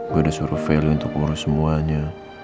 gue udah suruh feli untuk urus semuanya